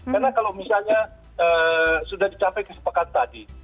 karena kalau misalnya sudah dicapai kesepakan tadi